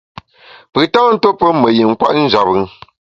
Pùn tâ ntuo pe me yin kwet njap bùn.